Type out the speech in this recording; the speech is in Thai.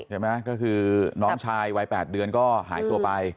ใช่ไหมก็คือน้องชายวัย๘เดือนก็หายตัวไป